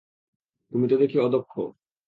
তুমি তো দেখি অদক্ষ।